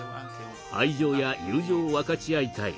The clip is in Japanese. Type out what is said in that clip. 愛情や友情を分かち合いたい。